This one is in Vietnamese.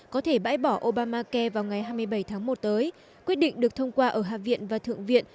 có thể bãi bỏ obamacai vào ngày hai mươi bảy tháng một tới quyết định được thông qua ở hạ viện và thượng viện